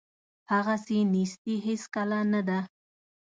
هغسې نیستي هیڅکله نه ده.